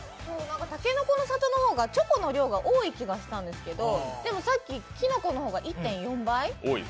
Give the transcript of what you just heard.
たけのこの里の方がチョコの量が多い気がしたんですけどでもさっき、きのこの方が１．４杯。